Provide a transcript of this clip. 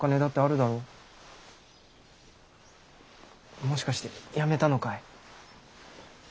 もしかして辞めたのかい？